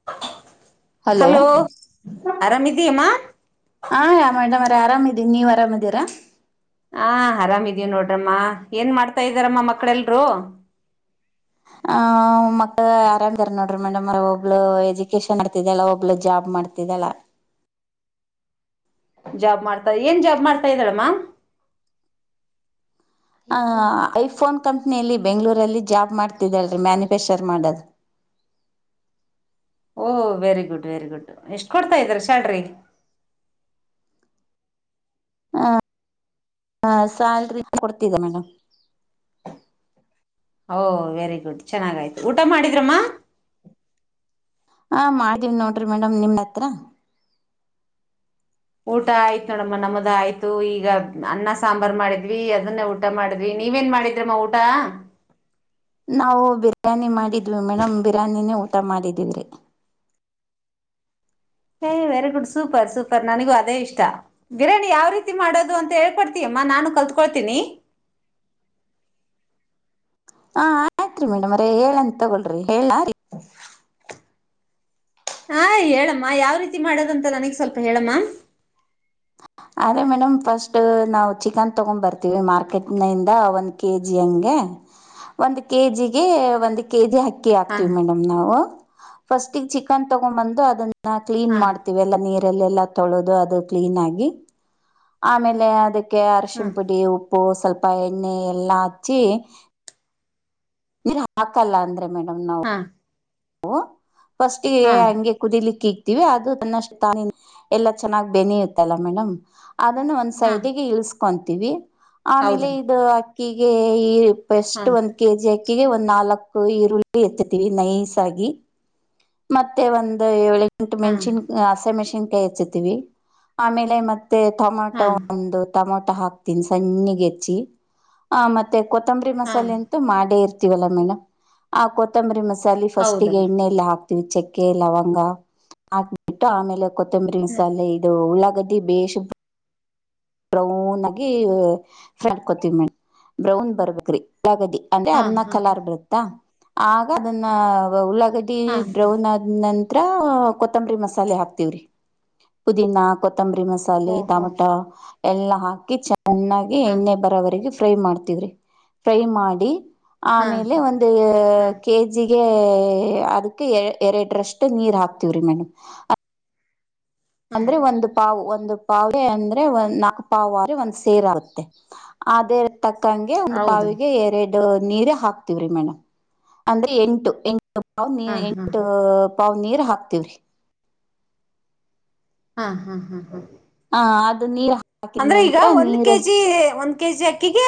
[inaudible] Hello ಆರಾಮ ಇದಿಯಮ್ಮಾ ಆರಾಮ ಇದೀನೀ ನೀವ್ ಆರಾಮ ಇದೀರಾ ಹಾ ಆರಾಮಿದೀವ ನೋಡ್ರಮ್ಮ ಏನ್ ಮಾಡ್ತಾ ಇದಾರಮ್ಮ ಮಕ್ಕಳೆಲ್ರು ಆ ಮಕ್ಕಳ ಆರಾಮಾರ ನೋಡ್ರಿ ಮೇಡಮ್ ಒಬ್ಳ ಎಜುಕೇಶನ್ ಆಡ್ತಿದಲ್ಲ ಒಬ್ಳ ಜಾಬ್ ಮಾಡ್ತಿದಳ ಜಾಬ್ ಮಾಡ್ತಾ ಏನ್ ಜಾಬ್ ಮಾಡ್ತಾ ಇದಳಮ್ಮ ಆ ಐಫೋನ್ ಕಂಪ್ನಿಯಲ್ಲಿ ಬೆಂಗ್ಗಳೂರಲ್ಲಿ ಜಾಬ್ ಮಾಡ್ತಿದ್ದಾಳೀ ಮ್ಯಾನುಫ್ಯಾಕ್ಚರ್ ಮಾಡದು ಓಹ ವೆರಿ ಗುಡ್ ವೆರಿ ಗುಡ್ ಎಷ್ಟ್ ಕೊಡ್ತಾ ಇದಾರೆ ಸ್ಯಾಲರಿ ಹ ಹಾ ಸ್ಯಾಲ್ರಿ ಕೊಡ್ತಿದೆ ಮೇಡ್ಮ್ ಓ ವೆರಿ ಗುಡ್ ಚೆನ್ನಾಗಾಯ್ತು ಊಟ ಮಾಡಿದ್ರಮ್ಮ ಹಾ ಮಾದ್ದ್ವಿ ನೋಡ್ರಿ ಮೇಡಮ್ ನಿಮ ಹತ್ರ ಊಟ ಆಯ್ತು ನೋಡಮ್ಮ ನಮ್ಮದ ಆಯ್ತು ಈಗ ಅನ್ನ ಸಾಂಬಾರ್ ಮಾಡಿದ್ವಿ ಅದನ್ನೇ ಊಟ ಮಾಡಿದ್ವಿ ನೀವೇನ್ ಮಾಡಿದ್ರಮ್ಮ ಊಟ ನಾವು ಬಿರಿಯಾನಿ ಮಾಡಿದ್ದ ಮೇಡಮ ಬಿರಾನಿನ ಟ್ಟ ಊಟ ಮಾಡಿದ್ದೀವ್ರಿ ಹೇ ವೆರಿ ಗುಡ್ ಸೂಪರ್ ಸೂಪರ್ ನನಗೂ ಅದೇ ಇಷ್ಟ ಬಿರ್ಯಾನಿ ಯಾವ ರೀತಿ ಮಾಡೋದು ಅಂತ ಹೇಳ್ಕೊಡ್ತೀಯಮ್ಮ ನಾನು ಕಲ್ತ್ಕೊಳ್ತೀನಿ ಹಾ ಆಯ್ತ್ರಿ ಮೇಡಮ್ ರೆ ಹೇಳಂತ ತಗೊಳ್ರಿ ಹೇಳ ರೀ ಹಾ ಹೇಳಮ್ಮ ಯಾವ ರೀತಿ ಮಾಡದಂತ ನನಗ್ ಸ್ವಲ್ಪ ಹೇಳಮ್ಮ ಆದೆ ಮೇಡಮ್ ಫಸ್ಟ್ ನಾವು ಚಿಕನ್ ತಗೊಂಡ್ ಬರ್ತೀವಿ ಮಾರ್ಕೆಟ್ನಿಂದ ಒಂದ್ ಕೆಜಿ ಹಂಗೆ ಒಂದ್ ಕೆಜಿಗೆ ಒಂದ್ ಕೆಜಿ ಹಾಕ ಅ ಹಾ ಆಗ್ತೀವಿ ಮೇಡಮ್ ನಾವು ಫಸ್ಟ್ ಚಿಕನ್ ತಗೊಂಡ್ ಬಂದು ಅದನ್ನ ಕ್ಲೀನ್ ಹಾ ಮಾಡ್ತೀವಿ ಎಲ್ಲಾ ನೀರ್ ಲ್ಲ ಎಲ್ಲಾ ತೊಳೋದು ಅದ ಕ್ಲೀನಾಗಿ ಆಮೇಲೆ ಅದಕ್ಕೆ ಕ್ಯ ಹಾ ಆರ್ಶನ್ ಪಿಡವು ಉಪ್ಪು ಸ್ವಲ್ಪ ಎಣ್ಣೆ ಎಲ್ಲಾ ಹಚ್ಚಿ ನೀರ್ ಹಾಕಲ್ಲ ಅಂದ್ರೆ ಮೇಡ ಹ ನ ಹಾ ಹಓ. ಫಸ್ಟ್ ಹಾ ಹಂಗೆ ಕುದಿಲಿಕ್ಕೆಿ. ಅದು ತನ್ನಷ್ಟು ತಾನಿ ಎಲ್ಲಾ ಚೆನ್ನಾಗ್ ಬೆನಿಯತ್ತಲ್ಲ ಮೇಡಮ್ ಅದನ್ನು ಒಂದ್ ಹಾ ಸೈಡ್ಗೆ ಇಲ್ ಕಂತೀವಿ ಆಮೇಲೆ ಹೌದಮ್ಮ ಇದು ಕಗೆ ಈ ಹಾ ಎಷ್ಟು ಒಂದ್ ಕೆ ಜಿ ಕಿಗೆ ಒಂದ್ ನಾಲ್ಕು ಈರುಳ್ಳಿ ಎಚ್ಚತಿೀವಿ ನೈಸ್ ಮೆ ಒಂದು ಟ್ ಹಾ ಮೆಷನ್ ಆೆ ಮೆಷನ. ಹಚ್ಚುತ್ತವಿ ಆಮೇಲೆ ಮ. ಮತ್ತೆ ಹಾ ಟೊಮಾಟೊ ಒಂದು ಟಮೊಟೊ ಹಾಕ್ತೀನಿ ಸಣ್ಣಿಗೆ ಹೆಚ್ಚಿ ಆ ಮತ್ತೆ ಕೊತ್ತಂಬರಿ ಹಾ ಮಸಾಲೆ ಅಂತೂ ಮಾಡೇ ಇರ್ತಾರೆ ಲ್ಲ ಮೇಡಮ್ ಆ ಕೊತ್ತಂಬರಿ ಮಸಾಲೆ ಹಟ್ಟಿಗೆ ಹೌದಮ್ಮ ಎಣ್ಣೆಯಲ್ಲಿ ಹಾಕಿ ಚಕ್ಕೆ ಲವಂಗ ಹಾಕಿಬಿಟ್ಟು ಆಮೇಲೆ ಕೊತ್ತಂಬರಿ ಮಸಾಲೆ ಇದು ಉಳ್ಳ ಬ್ರೌನ್ ಆಗಿ ಫ್ರಕತವಿ ಮೇಡಮ್ ಬ್ರೌನ್ ಬರ್ಬೇಕ್ರಿ. ಗದಿ ಅಂದ್ರೆ ಹಾ ಅನ್ನ ಹಾ ಹಾ ಕಲಾರ್ ಬರುತ್ತಾ. ಆಗ ಅದನ್ನ. ಲ್ಲ. ಹಾ ಹಾ ಬ್ರೌನ್ ಆದ ನ. ಕೊತ್ತಂಬರಿ ಮಸಾಲೆ ಹಾಕ್ತಿವ್ರಿ ಪುದೀನಾ. ತಂಬರಿ ಮಸಾಲೆ ಓಹೋ ತಟಾಮಟಾ. ಎಲ್ಲ್. ಚೆನ್ನಾಗಿ ಹಾ ಎಣ್ಣೆ ಬರೋವರಿಗೆ. ಫ್ರೈ ಮಾಡ್ತವ್ರಿ ಫ್ರೈ ಮಾಡಿ. ಹಾ ಆಮೇಲೆ ಹಾ ಒಂದು ಹಾ ಕೆಜಿಗೆ. ಹ್ಮ. ಅದಕ್ಕೆ ಎರಡರಷ್ಟು ನೀರ್ ಹಾಕ್ತಿವ್ರಿ ಮೇಡಮ್. ಹಾ ಅಂದ್ರೆ ಒಂದು ಪಾವು. ಒಂದು ಪಾವ ಅಂದ್ರೆ ಒ ನಾಲ್ಕು ಪಾವ್ರೆ ಒಂದ ಸೇರಾಗುತ್ತೆ ಅದೇ. ತಕ್ಕಂಗೆ ಒಂದು ಹೌದಮ್ಮ ಪಾವಿಗೆ ಎರೆ ನೀರೆ ಹಾಕ್ತಿವ್ರಿ ಮೇಡಮ್ ಅಂದ್ರೆ ಎಂಟು ಎನ್ ಟು ಪಾವ್ ನೀ ಹಾ ಹಾ ಎಂಟು ಪಾವ್ ನೀರ್ ಹಾಕ್ತಿವ್ರಿ. ಹಾ ಹಾ ಹಾ ಹಾ ಹಾ ಅದು ನೀರ್ ಹಾಕಿದ ಅಂದ್ರೆ ಈಗ ನಂತರ ಒಂದ್ ನೀರ್ ಕೆಜಿ ಒಂದ್ ಕೆಜಿ ಅಕ್ಕಿಗೆ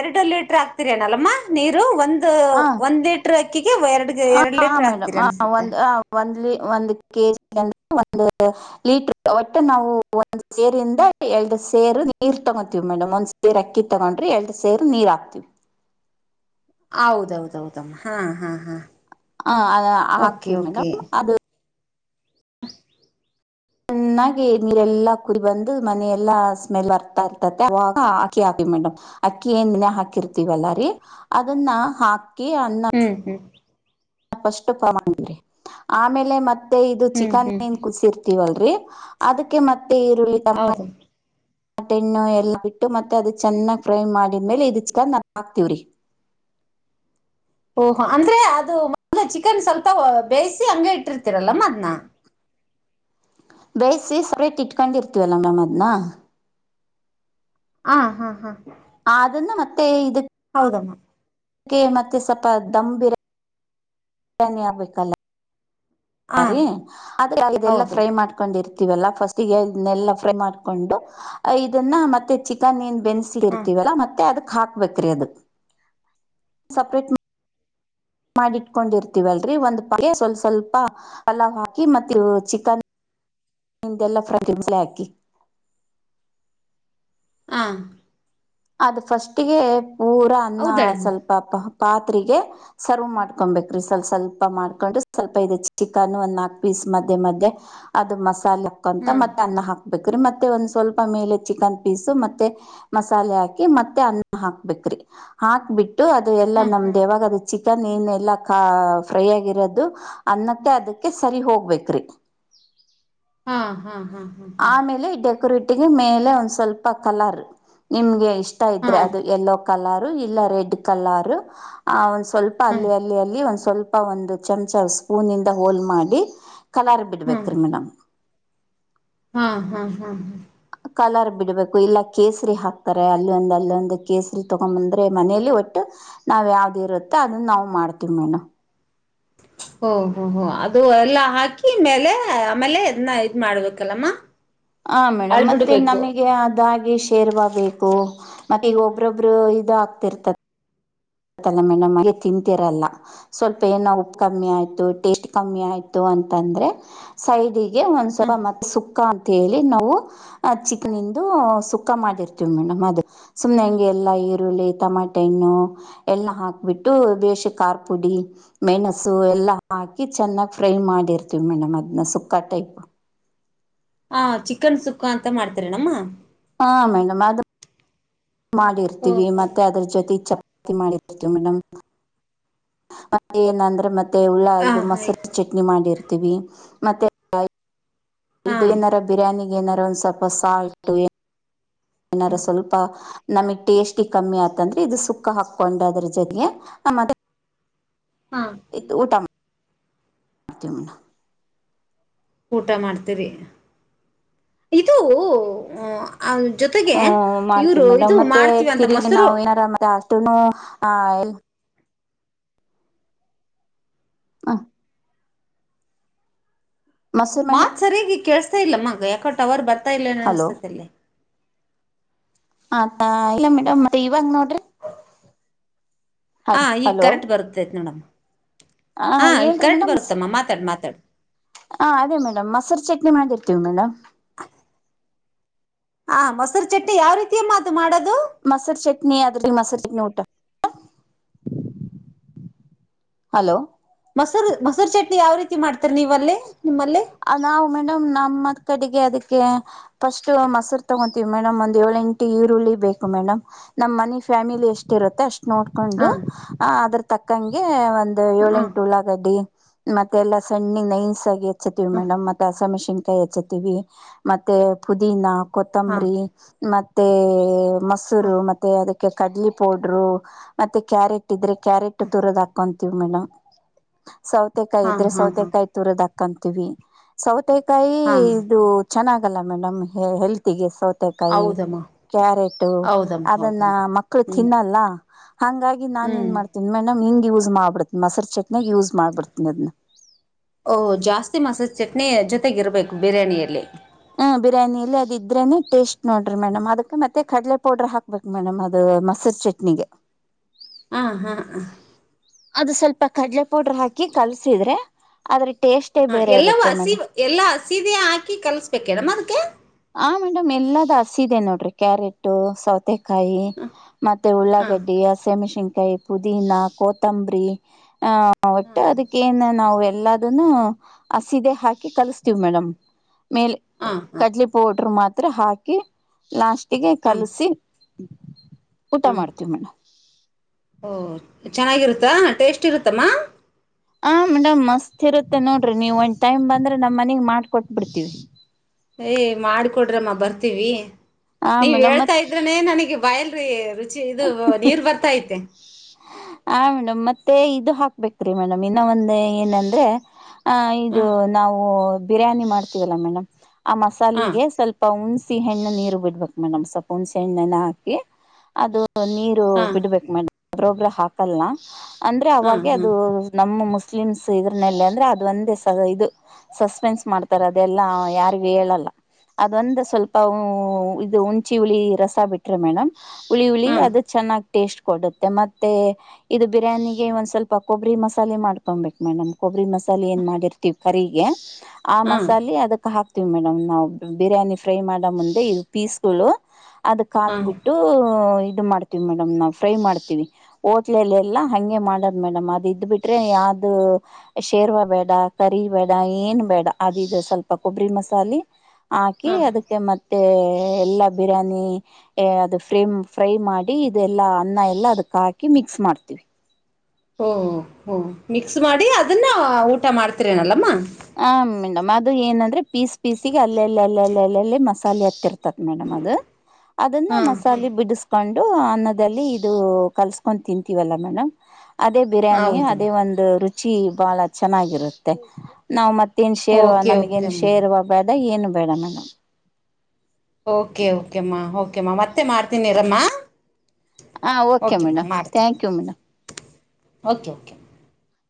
ಎರಡು ಲೀಟ್ರ ಅ ಗ್ತಿರೆನಲ್ಲಮ್ಮ ನೀರು ಒಂದ್ ಹ ಒಂದ್ ಲೀಟರ್ ಅಕ್ಕಿಗೆ ಎರಡ್ ಎರಡ್ ಹಾ ಲೀಟರ್ ಮೇಡಮ್ ಹಾಕ್ತಿರಿ ಅನ್ಸುತ್ತೆ. ಒಂದ್ ಒಂದ್ ಒಂದ್ ಕೆಜಿ ಅಂದ ಒಂದ ಲೀಟರ್ ಒಟ್ಟೆ ನಾವು ಒಂದ್ ಸೇರಿಂದ ಎರಡು ಸೇರು ನೀರ್ ತಗೋತೀವಿ ಮೇಡಮ್. ಒಂದ್ ಸೇರ್ ಅಕ್ಕಿ ತಗೊಂಡ್ರಿ ಎರಡು ಸೇರು ನೀರ್ ಹಾಕ್ತಿವಿ. ಹೌದೌದೌದಮ್ಮ ಹಾ ಹಾ ಹಾ ಹ ಅದ ಹಾಕ್ತೀವಿ ಮೇಡಮ್ ಅದು ಅಹ್ ಚೆನ್ನಾಗಿ ನೀರೆಲ್ಲಾ ಕುದಿ ಬಂದು ಮನೆಯೆಲ್ಲಾ ಸ್ಮೆಲ್ ಅರ್ತಾ ಇರ್ತತೆ ಅವಾಗ ಅಕ್ಕಿ ಹಾಕಿವ್ ಮೇಡಮ್. ಅಕ್ಕಿ ಎನ್ ನೆನೆ ಹಾಕಿರ್ತಿವಲ್ಲಾರಿ ಅದನ್ನ ಹಾ ಹ್ಮ್-ಹ್ಮ್ ಫಸ್ಟು ಪಮರಿ ಆಮೇಲೆ ಮತ್ ತ್ತೇ ಇದು ಹ್ಮ್ ಹ್ಮ್ ಚಿಕನ್ ಹ್ಮ್ ಏನ್ ಕುಸಿರ್ತಿವಲ್ ಅದಕ್ಕೆ ಮ ತೇ ಈರುಳ್ಳಿ ತಮ ಹೌದು ಆಟೆಣ್ಣು ಎಲ್ಲ ಬಿಟ್ಟು ಮತ್ತೆ ಅದು ಚೆನ್ನಾಗಿ ಫ್ರೈ ಮಾಡಿದ್ಮೇಲೆ ಇದು ಚಿಕನ್ ಹಾಕ್ತೀವ್ರಿ. ಓಹೋ ಅಂದ್ರೆ ಅದು ಮದ್ಲೇ ಚಿಕನ್ ಸ್ವಲ್ಪ ಬೇಯಿಸಿ ಹಂಗ ಇಟ್ಟಿರ್ತಿರಲ್ಲಮ್ಮ ಅದ್ನ? ಬೇಯಸಿ ಸಪ್ರೇಟ್ ಇಟ್ಕೊಂಡಿ ಇರ್ತೀವಲ್ಲ ಮ್ಯಾಮ್ ಅದ್ನ ಆ ಹಾ ಹಾ ಅದನ್ನು ಮತ್ತೆ ಇದಿ ಹೌದಮ್ಮ ಕೆ ಮತ್ತೆ ಸಪ್ಪ ದಮ್ ಬಿರ್ ಯಾನಿ ಆಗ್ಬೇಕಲ್ಲ. ಹಾ ರೀ ಆದ್ರ ಇದೇಲ್ಲ ಹೌದು ಫ್ರೈ ಮಾಡ್ಕೊಂಡಿರ್ ತಿವಲ್ಲ ಫಸ್ಟ್ ಇದನ್ನೆಲ್ಲ ಫ್ರೈ ಮಾಡಿಕೊಂಡು ಆ ಇದುನ್ನ ಮತ್ತೆ ಚಿಕನ್ ಏನ್ ಬೆನ್ಸಿಲ್ ಹಾ ಇರ್ತಿವಲ್ಲ ಮತ್ತೆ ಅದು ಹಾಕ್ಬೇಕ್ರಿ ಅದು ಸಪ್ರೇಟ್ ಮ್ ಮಾಡಿಟ್ಕೊಂಡಿರ್ತೀವಲ್ರರಿ ಒಂದ್ ಪ ಸ್ವಲ್ ಸ್ವಲ್ಪ ಪಲಾವ್ ಹಾಕಿ ಮತ್ತ ಚಿಕನ್ ನಿಂದೆಲ್ಲ ಫ್ರ ಗಿಜ್ಲೆ ಹಾಕಿ. ಹಾ ಅದು ಫಸ್ಟ್ ಗೆ ಊರ ಅನ್ನ ಹೌದಳಮ್ಮ ಸ್ವಲ್ಪ ಪ ಪಾತ್ರೆಗೆ ಸರ್ವ್ ಮಾಡ್ಕೊಂಬೆಕ್ರಿ ಸಲ್ ಸ್ವಲ್ಪ ಮಾಡ್ಕೊಂಡು ಸ್ವಲ್ಪ ಇದು ಚಿಕನ್ ಒಂದ್ ನಾಲ್ಕು ಪೀಸ್ ಮಧ್ಯೆ ಮಧ್ಯೆ ಅದು ಮಸ್ ಲುಕ್ ಅಂತ ಹ್ಮ್ ಮತ್ತೆ ಅನ್ನ ಹಾಕ್ ಬೇಕ್ರೀ ಮತ್ತೆ ಒಂದ್ ಸ್ವಲ್ಪ ಮೇಲೆ ಚಿಕನ್ ಪೀಸು ಮತ್ತೆ ಮಸ್ ಮಸಾಲೆ ಹಾಕಿ ಮತ್ತೆ ಅನ್ನ ಹಾಕ್ಬೇಕ್ರಿ ಹಾಕ್ಬಿ ಟ್ಟು ಅದು ಎಲ್ಲ ಹ್ಮ್ ಹ್ಮ್ ನಮ್ದ ಯವಾಗ ಅದು ಚಿಕ್ ಕನ್ ಏನೆಲ್ಲಾ ಈ ಕ ಫ್ರೈ ಆಗಿರೋದು ಅನ್ನಕ್ಕೆ ಅದುಕ್ಕೆ ಸರಿ ಹೋಗ್ಬೇಕ್ರಿ. ಹಾ-ಹಾ ಆಮೇಲೆ ಡೆಕೋರೇ ಟ್ಟಿಗೆ ಮೇಲೆ ಒಂದ್ ಸ್ವಲ್ಪ ಕಲರ್ ನಿಮ್ಗೆ ಇಷ್ ಷ್ಟ ಹಾ ಇದ್ರೆ ಅದು ಎಲ್ಲೋ ಕಲರ್ ಇಲ್ಲ ರೆಡ್ ಕಲರ್ ಆ ಸ್ವಲ್ಪ ಹ್ಮ್ ಅಲ್ಲಿ ಅಲ್ಲಿ ಅಲ್ಲಿ ಒಂದ್ ಸ್ವಲ್ಪ್ ಲ್ಪ ಒಂದು ಚಮಚ ಸ್ಪೂನಿಂದ ಹೋಲ್ ಮಾಡಿ ಕಲರ್ ಹ್ಮ್ ಬಿಡ್ಬೇಕ್ರೀ ಮೇಡಮ್. ಹಾ ಹಾ ಹಾ ಹಾ ಕಲರ್ ಬಿಡ್ಬೇಕು ಇಲ್ಲ ಕೇಸರಿ ಹಾಕ್ತಾರೆ ಅಲ್ಲೊಂದ ಅಲ್ಲೊಂದು ಕೇಸರಿ ತಗೊ ಬಂದ್ರೆ ಮನೇಲಿ ಒಟ್ಟು ನಾವ್ ಯಾವ್ದ್ ಇರುತ್ತೆ ಅದನ್ನ ನಾವು ಮಾಡ್ತಿವ್ ಮೇನು. ಓ ಹೋ ಹೋ ಅದು ಎಲ್ಲಾ ಹಾಕಿ ಮೇಲೆ ಆಮೇಲೆ ಇದನ್ನ ಇದ್ ಮಾಡ್ಬೇಕಲ್ಲಮ್ಮ. ಹ ಮೇಡಮ್ ಮತ್ತೆ ಅಳ್ಬಿಡ್ಬೇಕು ನಮಗೆ ಅದಾಗೆ ಶೇರ್ವಾ ಬೇ ಕು ಮತ್ತೆ ಈಗ ಒಬ್ಬ್ರೊಬ್ರು ಇದಾ ತಿರ್ತ ಗತ್ತಲ್ಲ ಮೇಡಮ್ ಅಗೆ ತಿಂತರಲ್ಲ ಸ್ವಲ್ಪ ಏನೋ ಉಪ್ಪು ಕಮ್ಮಿ ಆಯ್ತು ಟೇಸ್ಟ್ ಕಮ್ಮಿ ಆಯ್ತು ಅಂತಂದ್ರೆ ಸೈಡಿ ಗೆ ಒಂದ್ ಹ ಸಲ ಮತ್ತ್ ಸುಕ್ಕ ಅಂತ ಹೇಳಿ ನಾವು ಚಿಕನಿಂದು ಸುಕ್ಕ ಮಾಡಿರ್ತವಿ ಮೇಡಮ್. ಅದು ಸುಮ್ನೆಂಗೆ ಎಲ್ಲ ಈರುಳ್ಳಿ ಟಮಟೆ ಹಣ್ಣು ಎಲ್ಲ ಹಾಕ್ಬಿಟ್ಟು ಬೇಶ್ ಖಾರ ಪುಡಿ ಮೆಣಸು ಎಲ್ಲ ಹಾಕಿ ಚೆನ್ನಾಗಿ ಫ್ರೈ ಮಾಡಿರ್ತೀವಿ ಮೇಡಮ್ ಅದನ್ನ ಸುಕ್ಕ ಟೈಪ್. ಹಾ ಚಿಕನ್ ಸುಕ್ಕ ಅಂತ ಮಾಡ್ತಾರೆ ನಮ್ಮ ಹ ಮೇಡಂ ಅದ್ ಓ ಮಾಡಿರ್ತೀವಿ ಹೋ ಮತ್ತೆ ಅದ್ರ ಜೊತೆ ಚೆ ತಿ ಮಾಡಿರ್ತಿವ್ ಮೇಡಮ್. ಮತ್ತ ಏನಂದ್ರೆ ಮತ್ ತ್ತೆ ಉಳ್ಳ ಹಾ ಇದು ಹಾಯ್ ಮಸರ್ ಚಟ್ನಿ ಮಾಡಿರ್ತೀವಿ. ಮತ್ತೆ ಹಾ ಇದೇನರ ಬಿರಿಯಾನಿ ಏನಾರ ಒಂದ್ ಸ್ವಲ್ಪ ಸಾಲ್ಟ್ ಏನಾರ ಸ್ವಲ್ಪ ನಮಗ್ ಟೇಸ್ಟಿಗ್ ಕಮ್ಮಿ ಆತಂದ್ರೆ ಇದು ಸುಕ್ಕ ಹಾಕೊಂಡ್ ಅದ್ರ ಜೊತೆಗೆ ಆಮೇಲ್ ಹಾ ಇದ್ ಊಟ ಮಾ ತಿವ್ ಮೇಡಂ. ಊಟ ಮಾಡ್ತೀರಿ ಇದು ಆ ಜೊತೆಗೆ ಹ್ಮ ಮಾಡ್ತೀವಿ ಇವರು ಮೇಡಮ್ ಇದು ಮತ್ತೆ ಮಾಡ್ತೀವಿ ಅಂತ ತಿರ್ಗ್ ಮೊಸರು ನಾವ್ ಏನಾರ ಮತ್ತೆ ಆಸ್ ತುನು ಆಯಿಲ್ ಹ ಮೊಸರು ಮೇಡಮ್ ಮಾತ್ ಸರಿಯಾಗಿ ಕೇಳ್ಸ್ತಾ ಇಲ್ಲಮ್ಮ ಎಕೋ ಟವರ್ ಬರ್ [unintelligible] ಮತ್ತ ಇಲ್ಲನ ಹಲೋ ಅನ್ತಲ್ಲೇ ಆತಾ ಇಲ್ಲ ಮೇಡಮ್ ಮತ್ತೆ ಇವಂಗ ನೋಡ್ರಿ [unintelligible] ಹ ಹಲೋ ಈಗ ಹಲೋ ಕರೆಕ್ಟ್ ಬರುತ್ತೈತ್ ಮೇಡಮ್ ಆ ಹಾ ಈಗ ಹೇಳ್ರಿ ಕರೆಕ್ಟ್ ಮೇಡಮ್ ಬರುತ್ತಮ್ಮ ಮಾತಾಡು ಮಾತಾಡು ಹ ಅದೇ ಮೇಡಮ್ ಮೊಸರು ಚಟ್ನಿ ಮಾಡಿರ್ತೀವಿ ಮೇಡಮ್ ಹಾ ಮೊಸರು ಚಟ್ಟಿ ಯಾವ ರೀತಿಯಮ್ಮ ಅ ಮಾಡೋದು ಮೊಸರು ಚಟ್ನಿ ಅದ್ರಲ್ಲಿ ಮೊಸರು ಚಟ್ನಿ ಊಟ ಹಲೋ ಮೊರ್ ಮೊಸರು ಚಟ್ನಿ ಯಾವ ರೀತಿ ಮಾಡ್ತರಿ ನೀವ ಅಲ್ಲೇ ನಿಮ್ಮಲ್ಲ ನಾವು ಮೇಡಮ್ ನಮ್ಮ್ ಕಡೆಗೆ ಅದಕ್ಕೆ ಫಸ್ಟ್ ಮೊಸರು ತಗೊಂತೀವಿ ಮೇಡಮ್ ಒಂದ್ ಏಳು ಎಂಟು ಈರುಳ್ಳಿ ಬೇಕು ಮೇಡಮ್ ನಮ್ ಮನಿ ಫ್ಯಾಮಿಲಿ ಎಷ್ಟ ಇರುತ್ತೆ ಅಷ್ಟ ನೋಡ್ಕೊಂಡು ಹಾ ಆ ಅದ್ರ ತಕ್ಕಂಗೆ ಒಂದಂದು ಹಾ ಏಳೆಂಟು ಉಳಗಡಿ ಮತ್ತೆ ಎಲ್ಲಾ ಸಣ್ಣ ನೈಯನ್ ಸಗೇ ಸವಿ ಮೇಡಮ ಮತ್ತ ಸಮೀ ಶೆನ್ಕಾಯಿ ಹೆಚ್ಚುತ್ತವಿ ಮತ್ತೆ ಪುದೀನಾ [unintelligible] ಹಾ ಹಾ ಕೊತ್ತಂಬರಿ ಮ ಮತ್ತು [unintelligible] ಹಾ ಮೊಸೂರು ಮತ್ತೆ ಅದಕ್ಕೆ ಕಡ್ಲಿ ಪೌಡರು ಮತ್ತೆ ಕ್ಯಾರೆಟ್ ಇದ್ರೆ [unintelligible] ಕ್ಯಾರೆಟ್ ತುರದ ಹಾಕಂತು ವ ಮೇಡ [unintelligible] ಸೌತೆಕಾಯಿ ಹಾ ಇದ್ರೆ ಹಾ ಸೌತೆಕಾಯಿ ಹಾ ತೂರದ ಕಂತೀವಿ ಸೌತೆ ಕಾಯಿ ಹಾ ಇದು ಚೆನ್ನ ಲ್ಲ ಮೇಡಮ್ ಹೆಲ್ತಿಗೆ ಸೌ ಮಕಾಯಿ ಹೌದಮ್ಮ ಕ್ಯಾರೆಟು ಹೌದಮ್ಮ ಅದನ್ನ ಹೌದಮ್ಮ ಮಕ್ಕಳು ಹ್ಞೂ ತಿನ್ನಲ್ಲ ಹಂಗಾಗಿ ನಾನನ್ ಏನ್ ಹ್ಞೂ ಮಾಡ್ತೀನಿ ಮೇಡಮ್ ಯೂಸ್ ಮಾಡಬಿಡೆ ಮೊಸರು ಚೆ ನಾಗ ಯೂಸ್ ಮಾಡಿಬಿಡ್ತೀನಿ ಅದನ್ನ ಿ ಮಸಾಜ ಚಟ್ನಿ ಜೊತೆಗೆ ಇರಬೇಕು ಬಿರಿಯಾನಿಯಲ್ಲಿ ಹ್ಮ ಬಿರಿಯಾನಿಯಲ್ಲಿ ಅದ ಇದ್ರೇನೆ ಟೇಸ್ಟ್ ನೋಡ್ರಿ ಮೇಡಮ್ ಅದಕ್ಕೆ ಮತ್ತೆ ಕಡಲೆ ಪೌಡರ್ ಹಾಕ್ಬೇಕು ಮೇಡಮ್ ಅದು ಮೊಸರು ಚಟ್ನಿಗೆ ಹಾ ಹಾ ಹ ಅದು ಸ್ವಲ್ಪ ಕಡ್ಲೆ ಪೌಡರ್ ಹಾಕಿ ಕಲ್ಸಿದ್ರೆ ಅದ್ರಕ್ಕೆ ಹ ಎಲ್ಲವೂ ಹಸಿ ಎಲ್ಲ ಹಸದೆೇ ಹಾಕಿ ಕಲ್ಸ್ಬೇಕೇಡಮ್ ಅದ್ಕ್ಕೆ ಹ ಮೇಡಮ್ ಎಲ್ಲದ ಹಸ ಇಿದೆ ನೋಡ್ರಿ ಕ್ಯಾರೆಟ ಸೌತೆಕಾಯಿ ಮತ್ತೆ ಹಾ ಉಲಾಾಗಡ್ಡಿ ಸೆಮಶಂ ೈ ಪುದೀನ ಕೊತಂಬರಿ ಆ ಒಟ್ಟು ಹಾ ಅದಕ್ಕೇಂದ ನಾವು ಎಲ್ಲನ್ನು ಹಸದೆ ಹಾಕಿ ಕಲಸ್ತೀವಿ ಮೇಡಮ್ ಮೇಲೆ ಹಾ ಹಾ ಕಡ್ಲೆ ಮಾತ್ರ ಹಾಕಿ ಲಾಸ್ಟ್ ಹಗ ಕಲಸಿ ಊಟ ಹ್ಮ ಮಾಡ್ತೀವಿ ಮೇಡಮ್ ಚೆನ್ನಾಗಿರುತ್ತಾ ಟೇಸ್ಟ್ ಇರುತ್ತಮ್ಮ ಹ ಮೇಡಮ್ ಮಸ್ತ್ ಇರುತ್ತೆ ನೋಡ್ರಿ ನೀವು ಒಂದ್ ಟೈಮ್ ಬಂದ್ರೆ ನಮ್ಮ್ ಮನೆಗ್ ಮಾಡಕೊಟ್ ಬಿಿಡ್ತೀವಿ ಏಯ ಮಾಡಕೊಡ್ರಮ್ಮ ಬರ್ತೀವಿ ಆ ನೀವ್ ಮೇಡಮ್ ಹೇಳ್ತಾ ಮತ್ ಇದ್ರನೆ ನನಗೆ ಬಯಲ್ರಿ ರುಚಿ ಇದು ನೀರ್ ಬರ್ತಾ ಐತೆ ಹ ಮೇಡಮ್ ಮತ್ತೆ ಇದು ಹಾಕ್ಬೇಕ್ರಿ ಮೇಡಮ್ ಇನ್ನ ಒಂದ ಏನಂದ್ರೆ ಆ ಇದು ಹ್ಮ್ ನಾವು ಬಿರಿ್ಯಾನಿ ಮಾಡ್ತೀವಲ್ಲ ಮೇಡಮ್ ಆ ಹ್ಮ್ ಮಸಾಲಿಗೆ ಸ್ವಲ್ಪ ಹಣ ಹೆಣ್ಣ ನೀರು ಬಿಡ್ಬೇಕು ಮೇಡಮ್ ಸಪ ಹಣ್ಣ ಹಾಕಿ ಅದು ನೀರು ಹ್ಮ್ ಬಿಡ್ಬೇಕು ಮೇಡಮ್ ಒಬ್ರೊಬ್್ರ ಹಾಕಲ್ನ ಅಂದ್ರೆ ಹ್ಮ್ ಅವಾಗೆ ಅದು ಹ್ಮ್ ನಮ್ಮ ಮುಸ್ ಮುಸ್ಲಿಮ್ಸ್ ಇದ್ರಲ್ಲ ಅಂದ್ರೆ ಅದ ಒಂದೇ ಇ ಸಸ್ಪೆನ್ಸ್ ಮಾಡ್ತಾರೆ ಅದೆಲ್ಲ ಯಾರಗ ಹೇಳಲ್ಲ ಅದ ಒಂದ ಸ್ವಲ್ಪ ಇ ಹಚಿ ಹಿ ರಸ ಬಿಟ್ರ ಮಡ್ ಹ್ಮ್ ಅದು ಚೆನ್ನಾಗ ಟೇಸ್ಟ್ ಕೊಡುತ್ತೆ ಮತ್ತೆ ಇದು ಬಿರಿಯಾನಿಗೆ ಒಂದ್ ಸ್ವಲ್ಪ ಕೊಬ್ಬರಿ ಮಸಾಲೆ ಮಾಡ್ಕೊಬೇಕು ಮೇಡಮ್ ಕೊಬ್ಬರಿ ಮಸಾಲ ಸ ಏನ್ ಮಾಡಿರ್ತಿೀವಿ ಕರಿಗೆ ಆ ಹ್ಮ್ ಮಸಾಲೆ ಅದಕ್ ಹಾಕ್ತ ಮೇಡಮ್ ನಾವ್ ಬಿರಿಯಾನಿ ಫ್ರೈ ಮಾಡ ಮುಂದೆ ಇದು ಪೀಸ್ಗಳು ಅದಕ್ ಹ್ಮ್ ಹಾಕ್ಬಿಟ್ಟು ಮಾಡ್ತೀವಿ ಮೇಡಮ್ ನಾವವು ಫ್ರೈ ಮಾಡ್ತೀವಿ ೋಟ್ಲಲೆ ಎಲ್ಲಾ ಹಗೆ ಮಾಡದ್ ಮೇಡಮ್ ಅದ ಇದ್ ಬಿಿಟ್ರೆ ಯಾವ್ದ ಶೇರ್ವಾ ಬೇಡ ಕರಿ ಬೇಡ ಏನ್ ಬೇಡ ಅದ ಇದು ಸ್ವಲ್ಪ ಕೊಬ್ಬರಿ ಮಸಾಲೆ ಹಾಕಿ ಹ್ಮ್ ಅದಕ್ಕೆ ಮತ್ತ ಮತ್ತ ಎಲ್ಲಾ ಬಿರಿಯಾನಿ ಅದು ಫ್ರೇಮ್ ಫ್ರೈ ಮಾಡಿ ಇದೆಲ್ಲ ಅನ್ನ ಎಲ್ಲ ಅದಕ್ಕೆ ಹಾಕಿ ಮಿಕ್ಸ್ ಮಾಡ್ತೀವಿ ಓಹ ಹಓ ಮಿಕ್ಸ್ ಮಾಡಿ ಅದನ್ನ ಊಟ ಮಾಡ್ತರೇನಲ್ಲಮ್ಮ ಆ ಮೇಡಮ್ ಅದು ಏನಂದ್ರೆ ಪೀಸ್ ಪೀಸ ಅಲ್ಲ ಅಲ್ಲ ಅಲ್ಲ ಅಲ್ಲ ಅಲ್ಲ ಮಾಲೆ ಹತ್ತತ ಮೇಡ ಅದು ಅದನ್ನ ಹಾ ಮಸಾಲೆ ಹಾ ಬಿಡಿಸಕೊಂಡು ಅನ್ನದಲ್ಲಿ ಇದು ಕಲ್ಸ್ಕೊಂಡ್ ತಿಂತೀವಲ್ಲ ಮೇಡಮ್ ಅದೇ ಬಿರಿಯಾನಿ ಹೌದಮ್ಮ ಅದೇ ಒಂದು ರುಚಿ ರು ಚಿ ಬಹಳ ಚೆನ್ನಾಗಿರುತ್ತೆ ನವು ಮತ್ತುತ್ತು ಏನ್ ಶೇರ್ ಓಕೆ ನಮಗ ಏನ್ ಓಕೆಮ್ಮ ಶೇರುವ ಬೇದ ಏನು ಬೇಡ ಓಕೆ ಓಕೆಮ್ಮ ಓಕೆಮ್ಮ ಮತ್ತೆ ಮಾಡ್ತೀನಿರಮ್ಮ ಹಾ okay madam thank you madam okay okay